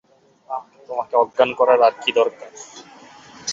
তোমাকে অজ্ঞান করার আর কী দরকার?